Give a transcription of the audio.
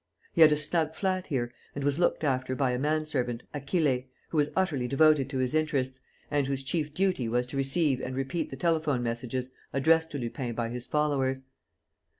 He had a snug flat here and was looked after by a man servant, Achille, who was utterly devoted to his interests and whose chief duty was to receive and repeat the telephone messages addressed to Lupin by his followers.